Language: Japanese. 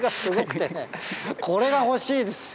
これが欲しいです。